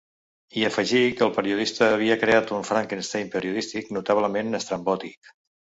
I afegí que el periodista havia creat un ‘Frankestein periodístic notablement estrambòtic’.